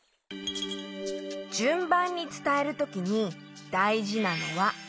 じゅんばんにつたえるときにだいじなのはこれ。